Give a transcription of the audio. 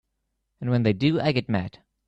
And when they do I get mad.